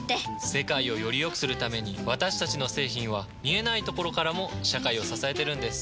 世界をよりよくするために私たちの製品は見えないところからも社会を支えてるんです。